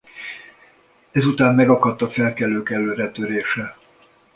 Ezután megakadt a felkelők előre törése.